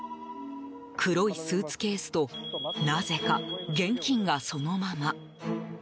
黒いスーツケースとなぜか現金がそのまま。